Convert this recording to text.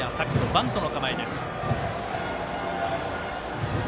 バントの構えです。